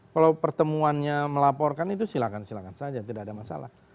kalau pertemuannya melaporkan itu silakan silakan saja tidak ada masalah